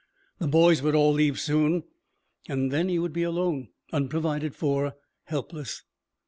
The boys would all leave soon. And then he would be alone, unprovided for, helpless.